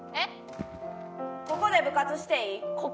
「ここで部活していい？」